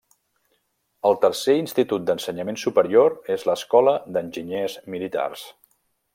El tercer institut d'ensenyament superior és l'Escola d'Enginyers Militars.